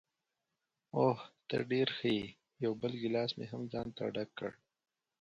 اوه، ته ډېره ښه یې، یو بل ګیلاس مې هم ځانته ډک کړ.